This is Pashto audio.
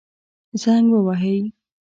زنګ ووهئ